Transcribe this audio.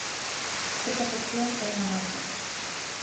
Esta sección é un anaco.